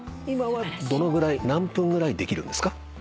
今はどのぐらい何分ぐらいできるんですか？